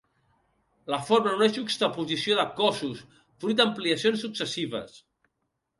La formen una juxtaposició de cossos, fruit d'ampliacions successives.